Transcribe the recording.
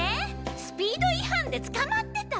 スピード違反で捕まってた？